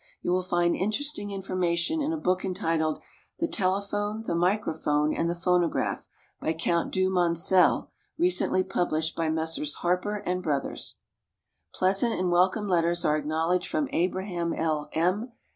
You will find interesting information in a book entitled The Telephone, the Microphone, and the Phonograph, by Count Du Moncel, recently published by Messrs. Harper and Brothers. Pleasant and welcome letters are acknowledged from Abraham L. M.